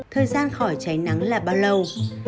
thời gian khỏi cháy nắng là bao lâu